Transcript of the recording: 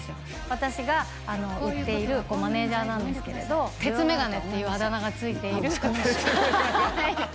私が売っているマネージャーなんですけれど「鉄眼鏡」っていうあだ名が付いている鉄眼鏡ハハハ